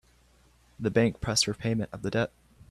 The bank pressed for payment of the debt.